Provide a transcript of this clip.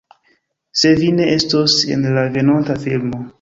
Se vi ne estos en la venonta filmo